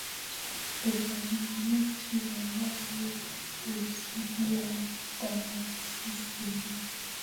dopamineji ambayo hujibia glutamati Seli hizi